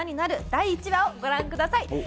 第１話をご覧ください